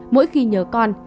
mỗi khi nhớ con